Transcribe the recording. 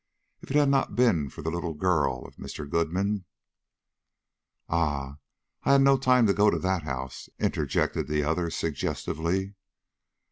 If it had not been for the little girl of Mr. Goodman " "Ah, I had not time to go to that house," interjected the other, suggestively.